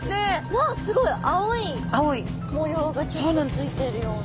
わっすごい青い模様がちょっとついてるような。